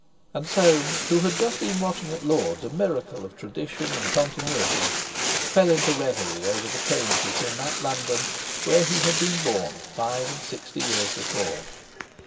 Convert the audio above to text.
And Soames, who had just been watching at Lord's a miracle of tradition and continuity, fell into reverie over the changes in that London where he had been born five and sixty years before.